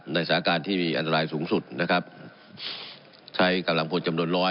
สถานการณ์ที่มีอันตรายสูงสุดนะครับใช้กำลังพลจำนวนร้อย